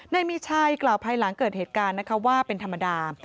นายมีชัยกล่าวภายหลังเกิดเหตุการณ์นะคะว่าเป็นธรรมดา